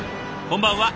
こんばんは。